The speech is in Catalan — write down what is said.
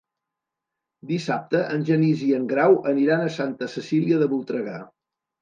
Dissabte en Genís i en Grau aniran a Santa Cecília de Voltregà.